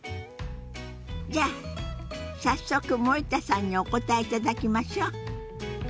じゃあ早速森田さんにお答えいただきましょう。